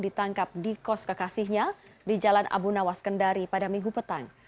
ditangkap di kos kekasihnya di jalan abu nawas kendari pada minggu petang